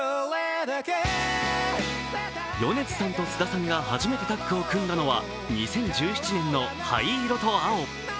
米津さんと菅田さんが初めてタッグを組んだのは２０１７年の「灰色と青」。